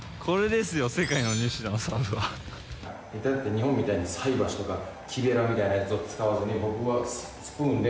日本みたいに菜箸とか木べらみたいなやつを使わずに僕はスプーンで。